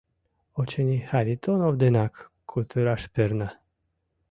Очыни, Харитонов денак кутыраш перна.